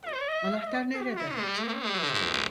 Anahtar nerede?